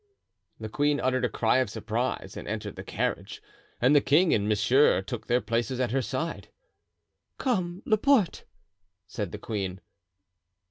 The queen uttered a cry of surprise and entered the carriage, and the king and monsieur took their places at her side. "Come, Laporte," said the queen.